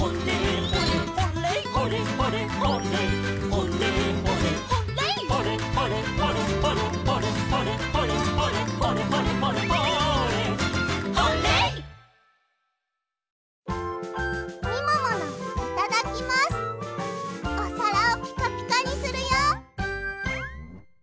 おさらをピカピカにするよ！